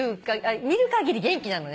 見るかぎり元気なのね。